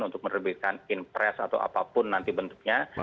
untuk memberikan in press atau apapun nanti bentuknya